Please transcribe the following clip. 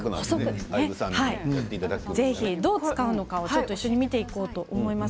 どう使うのか一緒に見ていこうと思います。